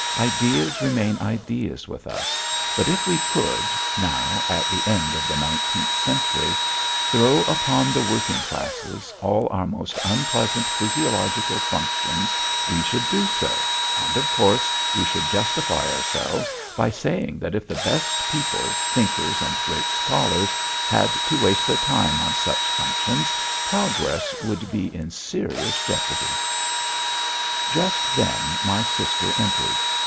Ideas remain ideas with us, but if we could, now, at the end of the nineteenth century, throw upon the working classes all our most unpleasant physiological functions, we should do so, and, of course, we should justify ourselves by saying that if the best people, thinkers and great scholars, had to waste their time on such functions, progress would be in serious jeopardy. Just then my sister entered.